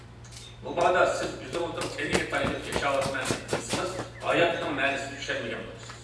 مۇبادا سىز، ئۆزىڭىزنىڭ تېنىگە تايىنىپ ياشاۋاتىمەن دەپ بىلسىڭىز، ھاياتنىڭ مەنىسىنى چۈشەنمىگەن بولىسىز.